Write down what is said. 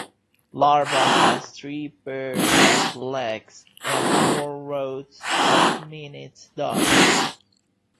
Larva has three pairs of legs and four rows of minute dots.